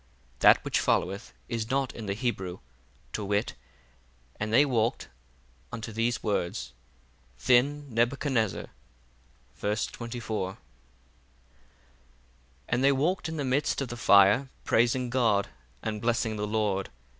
That which followeth is not in the Hebrew, to wit, And they walked—unto these words. Then Nebuchadnezzar—verse 24. 1 And they walked in the midst of the fire, praising God, and blessing the Lord.